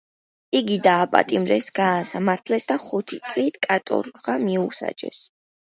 იგი დააპატიმრეს, გაასამართლეს და ხუთი წლით კატორღა მიუსაჯეს.